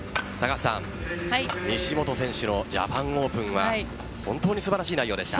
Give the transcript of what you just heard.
西本選手のジャパンオープンは本当に素晴らしい内容でした。